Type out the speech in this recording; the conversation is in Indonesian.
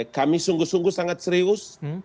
kami sungguh sungguh sangat serius